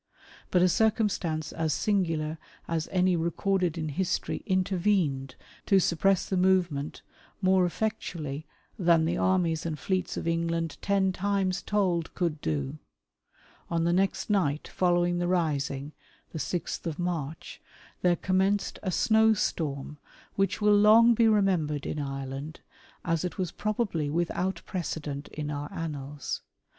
But a circumstance as singular as any recorded in history intervened to suppress the movement more effectually 'W FENIANISM. 145 " than the armies and fleets of England ten times told could do " On the next night following the rising — the Gtli ]\Iarcli — tliere " commenced a snowstorm which will long be remembered in " Ireland, as it was probably without precedent in our annals.